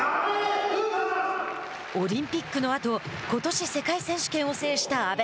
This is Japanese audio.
オリンピックのあとことし世界選手権を制した阿部。